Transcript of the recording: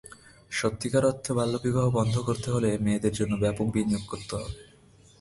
সত্যিকার অর্থে বাল্যবিবাহ বন্ধ করতে হলে মেয়েদের জন্য ব্যাপক বিনিয়োগ করতে হবে।